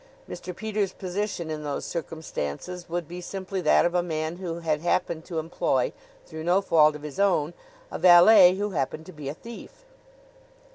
Mr. Peters' position in those circumstances would be simply that of a man who had happened to employ, through no fault of his own, a valet who happened to be a thief.